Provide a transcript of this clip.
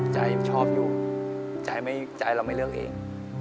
ใจชอบอยู่ใจเราไม่เลือกเอง